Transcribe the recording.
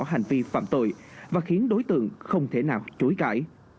hành vi phạm tội và khiến đối tượng không thể nào chối cãi